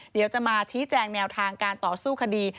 เดี๋ยวจะมาชี้แจงแนวทางการต่อสู้คดี